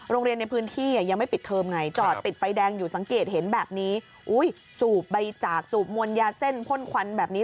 โรงเรียนในพื้นที่ยังไม่ปิดเทอมไงจอดติดไฟแดงอยู่สังเกตเห็นแบบนี้อุ้ยสูบใบจากสูบมวลยาเส้นพ่นควันแบบนี้